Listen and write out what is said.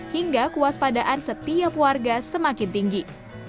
hingga kuas padaan setiap warga semakin tinggi